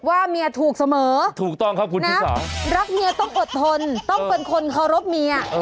ว่าเมียถูกเสมอถูกต้องครับคุณรักเมียต้องอดทนต้องเป็นคนเคารพเมีย